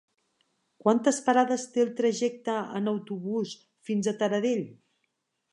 Quantes parades té el trajecte en autobús fins a Taradell?